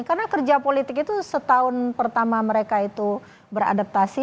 karena kerja politik itu setahun pertama mereka itu beradaptasi